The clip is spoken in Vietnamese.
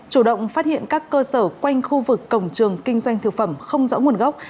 chủ động phát hiện các cơ sở quanh khu vực cổng trường kinh doanh thực phẩm không rõ nguồn gốc